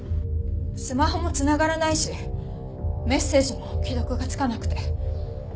スマホも繋がらないしメッセージも既読がつかなくて。